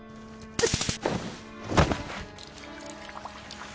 うっ！